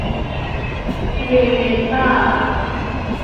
เวียนเน็ตต้า